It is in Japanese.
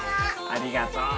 ありがとう。